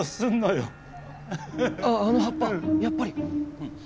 あっあの葉っぱやっぱり。